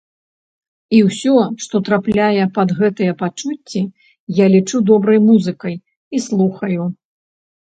І ўсё, што трапляе пад гэтыя пачуцці, я лічу добрай музыкай і слухаю.